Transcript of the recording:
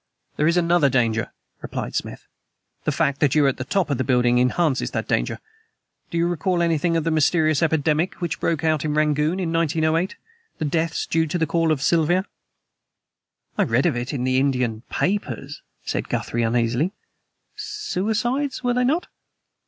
"There is another danger," replied Smith. "The fact that you are at the top of the building enhances that danger. Do you recall anything of the mysterious epidemic which broke out in Rangoon in 1908 the deaths due to the Call of Siva?" "I read of it in the Indian papers," said Guthrie uneasily. "Suicides, were they not?"